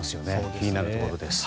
気になるところです。